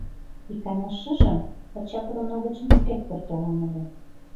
Икана шыжым, лачак РОНО гыч инспектор толын ыле.